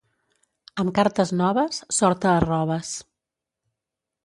Amb cartes noves, sort a arroves.